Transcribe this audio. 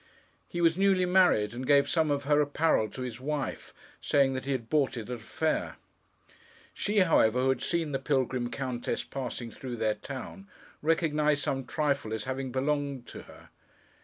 He was newly married, and gave some of her apparel to his wife: saying that he had bought it at a fair. She, however, who had seen the pilgrim countess passing through their town, recognised some trifle as having belonged to her.